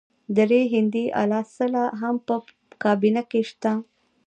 درې هندي الاصله هم په کابینه کې شته.